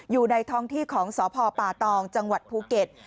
อยู่ในท้องที่ของสพป่าตองจังหวัดภูเก็ต